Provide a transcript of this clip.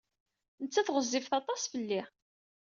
Nettat ɣezzifet aṭas fell-i.